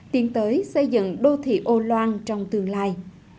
tiến tới xây dựng đô thị ô lan trong tương lai